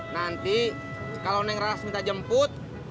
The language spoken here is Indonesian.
nanti kalo neng laras minta jemput